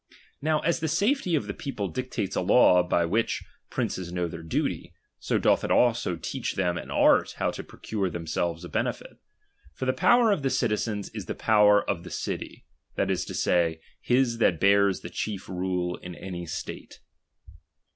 Now as the safety of the people dictates a law by which princes know their duty, so doth it also teach them an art how to procure themselves a benefit ; for the power of the citizens is the power of the city, that is to say, his that bears the chief rule iu any state.